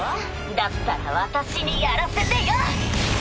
だったら私にやらせてよ！